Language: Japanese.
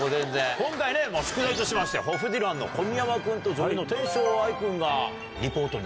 今回宿題としましてホフディランの小宮山君と女優の天翔愛君がリポートに。